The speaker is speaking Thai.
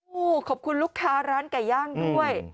โอ้โหขอบคุณลูกค้าร้านไก่ย่างด้วย